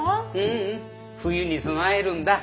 ううん冬に備えるんだ！ハハハ。